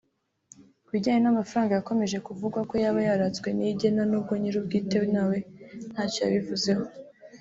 Ku bijyanye n’amafaranga yakomeje kuvugwa ko yaba yaratswe Niyigena n’ubwo nyir’ubwite nawe ntacyo yabivuzeho